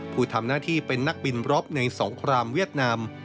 ผู้ทำหน้าที่เป็นนักบินรบในสงครามเวียดนาม